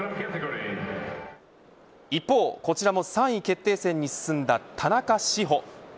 一方、こちらも３位決定戦に進んだ田中志歩。